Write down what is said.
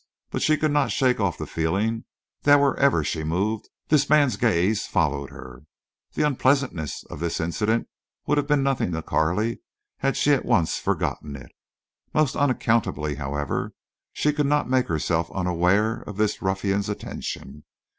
But she could not shake off the feeling that wherever she moved this man's gaze followed her. The unpleasantness of this incident would have been nothing to Carley had she at once forgotten it. Most unaccountably, however, she could not make herself unaware of this ruffian's attention.